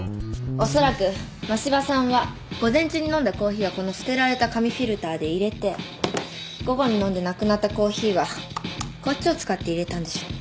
おそらく真柴さんは午前中に飲んだコーヒーはこの捨てられた紙フィルターで入れて午後に飲んで亡くなったコーヒーはこっちを使って入れたんでしょう。